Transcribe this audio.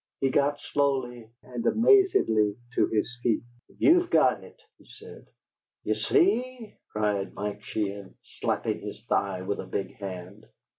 He got slowly and amazedly to his feet. "You've got it!" he said. "Ye see?" cried Mike Sheehan, slapping his thigh with a big hand.